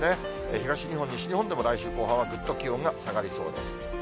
東日本、西日本でも、来週後半はぐっと気温が下がりそうです。